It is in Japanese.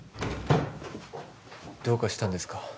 どうかしたんですか？